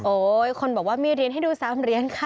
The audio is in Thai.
คนบอกว่ามีเหรียญให้ดู๓เหรียญค่ะ